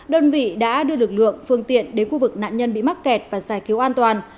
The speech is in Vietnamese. đơn vị đã đưa lực lượng phương tiện đến khu vực nạn nhân bị mắc kẹt và giải cứu an toàn